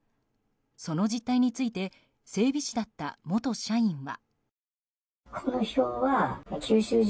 その実態について整備士だった元社員は。